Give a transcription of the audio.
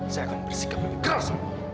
saya akan bersikap lebih keras sama kamu